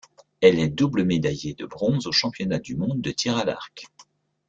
Elle est double médaillée de bronze aux championnats du monde de tir à l'arc.